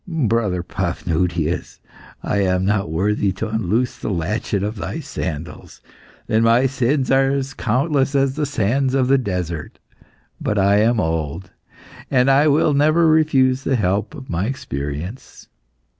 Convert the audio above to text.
"Brother Paphnutius, I am not worthy to unloose the latchet of thy sandals, and my sins are as countless as the sands of the desert. But I am old, and I will never refuse the help of my experience."